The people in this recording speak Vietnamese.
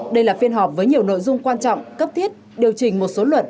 đây là phiên họp với nhiều nội dung quan trọng cấp thiết điều chỉnh một số luật